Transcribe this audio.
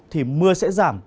thì mưa sẽ giảm